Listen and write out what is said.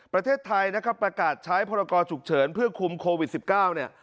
ประเทศไทยนะครับประกาศใช้พรกรฉุกเฉินเพื่อคุมโควิด๑๙เนี่ย